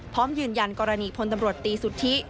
พร้อมยืนยันกรณีพลตำรวจตีสุทธิ